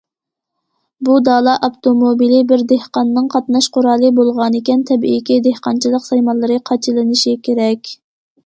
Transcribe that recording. بۇ دالا ئاپتوموبىلى بىر دېھقاننىڭ قاتناش قورالى بولغانىكەن، تەبىئىيكى دېھقانچىلىق سايمانلىرى قاچىلىنىشى كېرەك.